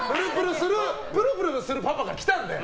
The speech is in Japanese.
プルプルするパパが来たので。